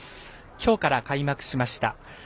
きょうから開幕しました。